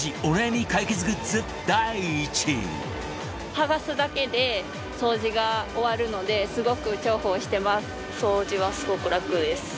剥がすだけで掃除が終わるのですごく重宝してます。